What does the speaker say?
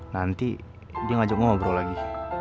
nanti dia ngajak ngobrol lagi